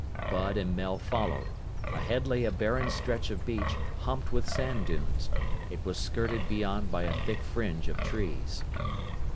Bud and Mel followed. Ahead lay a barren stretch of beach, humped with sand dunes. It was skirted beyond by a thick fringe of trees.